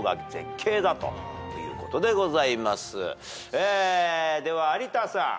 えでは有田さん。